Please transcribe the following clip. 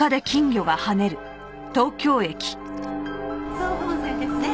総武本線ですね？